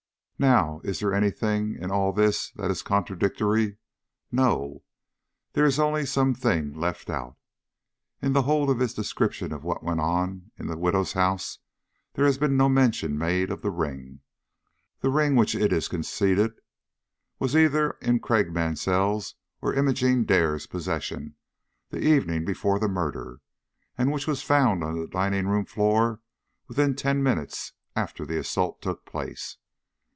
Now, is there any thing in all this that is contradictory? No; there is only something left out. In the whole of this description of what went on in the widow's house, there has been no mention made of the ring the ring which it is conceded was either in Craik Mansell's or Imogene Dare's possession the evening before the murder, and which was found on the dining room floor within ten minutes after the assault took place.